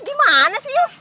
gimana sih yuk